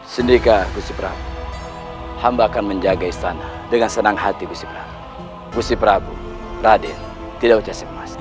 sendika gusiprabu hamba akan menjaga istana dengan senang hati gusiprabu gusiprabu raden tidak ucap semangat